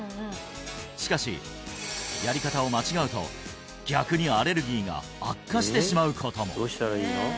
しかしやり方を間違うと逆にアレルギーが悪化してしまうことも！